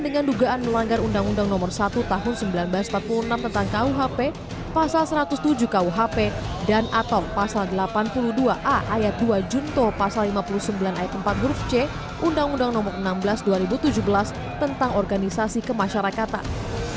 empat grup c undang undang nomor enam belas dua ribu tujuh belas tentang organisasi kemasyarakatan